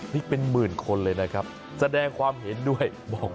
นี่เป็นหมื่นคนเลยนะครับแสดงความเห็นด้วยบอก